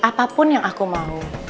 apapun yang aku mau